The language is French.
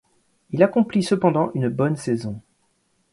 Il accomplit cependant une bonne saison.